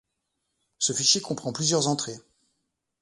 Ce fichier comprend plusieurs entrées.